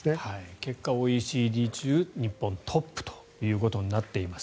結果、ＯＥＣＤ中日本はトップということになっています。